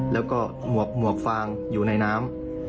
แล้วก็หมวกฟางอยู่ในน้ำ